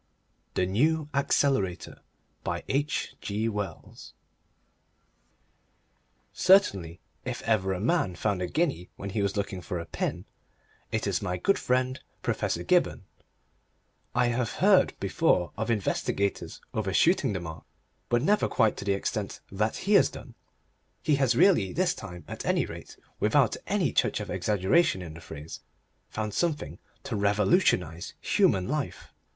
THE NEW ACCELERATOR Certainly, if ever a man found a guinea when he was looking for a pin it is my good friend Professor Gibberne. I have heard before of investigators overshooting the mark, but never quite to the extent that he has done. He has really, this time at any rate, without any touch of exaggeration in the phrase, found something to revolutionise human life.